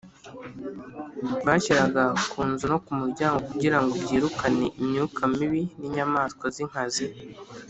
bashyiraga ku nzu no ku muryango kugira ngo byirukane imyuka mibi n’inyamaswa z’inkazi.